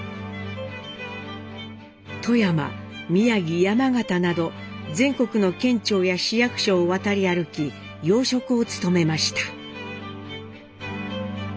富山宮城山形など全国の県庁や市役所を渡り歩き要職を務めました。